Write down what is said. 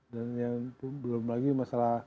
dan yang belum lagi masalah